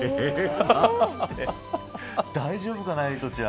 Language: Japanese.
大丈夫かな、エイトちゃん。